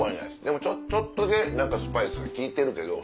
でもちょっとで何かスパイスが効いてるけど。